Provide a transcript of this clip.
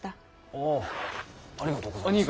おぉありがとうございます。